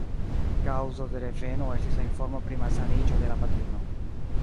Kaŭzo de reveno estis la informo pri malsaniĝo de la patrino.